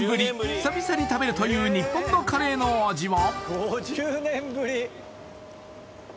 久々に食べるという日本のカレーの味は？